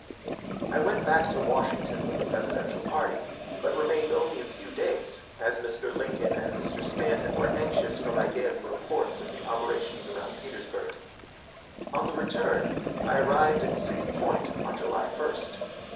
I went back to Washington with the presidential party, but remained only a few days, as Mr. Lincoln and Mr. Stanton were anxious for my daily reports of the operations around Petersburg. On the return, I arrived at City Point on July 1st.